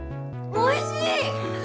おいしい。